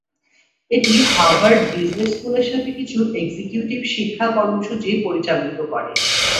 এটি Harvard business school এর সাথে কিছু এক্সিকিউটিভ শিক্ষা কর্মসূচী পরিচালিত করে।